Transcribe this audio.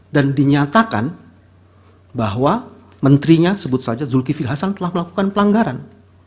dan dinyatakan bahwa menterinya sebut saja zulkifil hasan telah melakukan pelanggaran